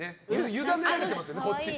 ゆだねられてますよね、こっちに。